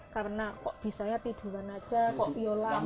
karena kok bisa ya tiduran aja kok piola mana